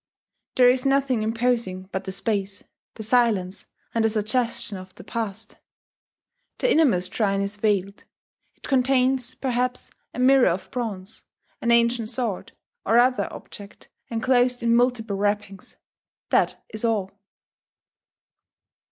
There is nothing imposing but the space, the silence, and the suggestion of the past. The innermost shrine is veiled: it contains, perhaps, a mirror of bronze, an ancient sword, or other object enclosed in multiple wrappings: that is all.